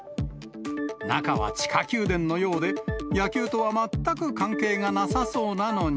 中は地下宮殿のようで、野球とは全く関係がなさそうなのに。